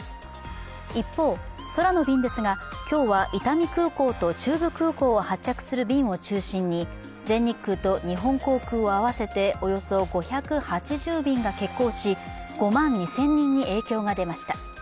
一方、空の便ですが、今日は伊丹空港と中部空港を発着する便を中心に全日空と日本航空を合わせておよそ５８０便が欠航し、５万２０００人に影響が出ました。